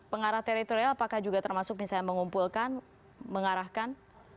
pengarah teritorial apakah juga termasuk misalnya mengumpulkan mengarahkan